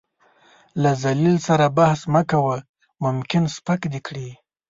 له ذليل سره بحث مه کوه ، ممکن سپک دې کړي .